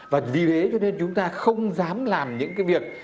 vì thế cho nên chúng ta không dám làm những việc